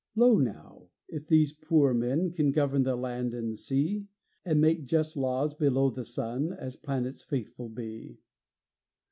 Lo, now! if these poor men Can govern the land and sea, And make just laws below the sun, As planets faithful be.